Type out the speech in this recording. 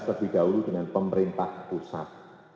terlebih dahulu dengan pemerintah pusat